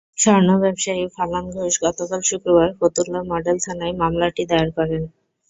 স্বর্ণ ব্যবসায়ী ফালান ঘোষ গতকাল শুক্রবার ফতুল্লা মডেল থানায় মামলাটি দায়ের করেন।